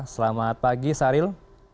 selamat pagi sahril